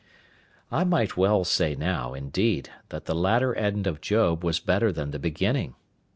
I might well say now, indeed, that the latter end of Job was better than the beginning.